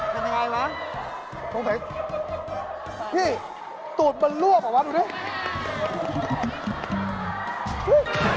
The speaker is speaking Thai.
เป็นไงล่ะพี่ตูดมันรวบเหรอวะดูดิ